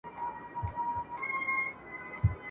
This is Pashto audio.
زه د عمر مسافر سوم ماته مه وینه خوبونه !.